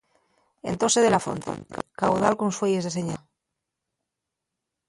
Entós sé de la fonte, caudal con fueyes de señaldá.